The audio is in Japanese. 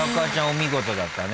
お見事だったね。